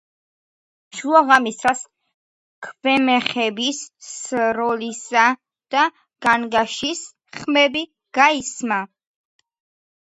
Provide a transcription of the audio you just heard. შუაღამისას ქვემეხების სროლისა და განგაშის ხმა გაისმა.